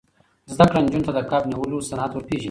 زده کړه نجونو ته د کب نیولو صنعت ور پېژني.